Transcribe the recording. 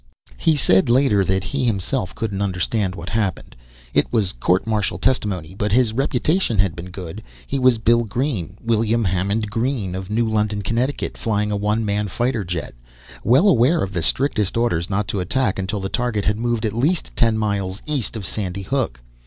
He said later that he himself couldn't understand what happened. It was court martial testimony, but his reputation had been good. He was Bill Green William Hammond Green of New London, Connecticut, flying a one man jet fighter, well aware of the strictest orders not to attack until the target had moved at least ten miles east of Sandy Hook.